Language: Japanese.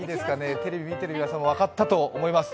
テレビ見てる皆さんも分かったと思います。